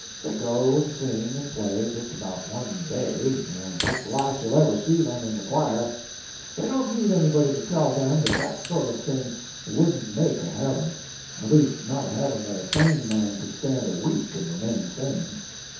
They go and sing and play just about one day, and that's the last you'll ever see them in the choir. They don't need anybody to tell them that that sort of thing wouldn't make a heaven—at least not a heaven that a sane man could stand a week and remain sane.